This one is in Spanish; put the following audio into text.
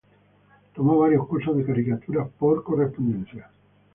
Tomó varios cursos de caricaturas por correspondencia.